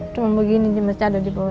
cuma begini saja ada di bawah